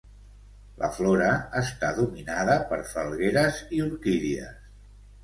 La flora està dominada per falgueres i orquídies.